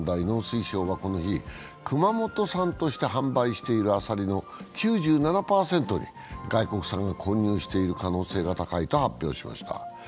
農水省はこの日、熊本産として販売されいてるアサリの９７％に外国産が混入している可能性が高いと発表しました。